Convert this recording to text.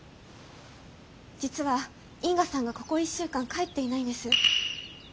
実は因果さんがここ１週間帰っていないんです。